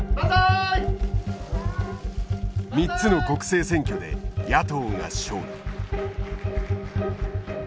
３つの国政選挙で野党が勝利。